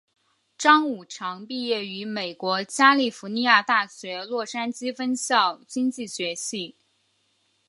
张五常毕业于美国加利福尼亚大学洛杉矶分校经济学系。